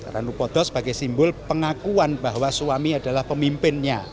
ranu podo sebagai simbol pengakuan bahwa suami adalah pemimpinnya